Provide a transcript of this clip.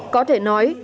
có thể nói